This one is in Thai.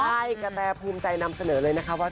ใช่กระแตภูมิใจนำเสนอเลยนะคะว่า